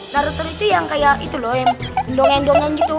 karakter itu yang kayak itu loh yang mendongeng dongeng gitu